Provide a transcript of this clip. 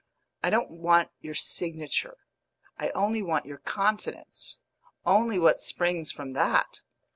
I don't want your signature; I only want your confidence only what springs from that.